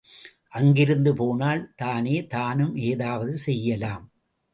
அங்கிருந்து போனால் தானே தானும் ஏதாவது செய்யலாம்.